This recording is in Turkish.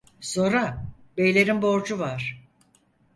Zora, beylerin borcu var.